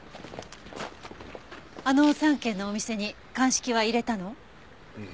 あの３軒のお店に鑑識は入れたの？